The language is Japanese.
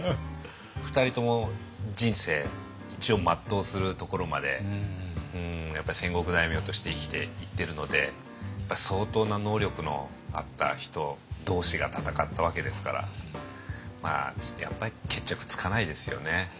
２人とも人生一応全うするところまでやっぱり戦国大名として生きていってるので相当な能力のあった人同士が戦ったわけですからやっぱり決着つかないですよね。